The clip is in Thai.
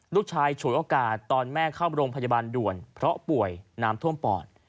ฉวยโอกาสตอนแม่เข้าโรงพยาบาลด่วนเพราะป่วยน้ำท่วมปอด